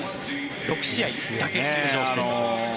６試合だけ出場していた。